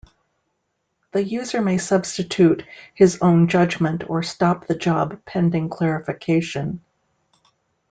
The user may substitute his own judgement or stop the job pending clarification.